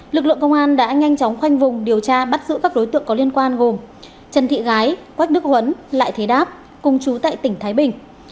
lực lượng công an đã nhanh chóng khoanh vùng điều tra bắt giữ các đối tượng có liên quan gồm trần thị gái quách đức huấn lại thế đáp cùng chú tại tỉnh thái bình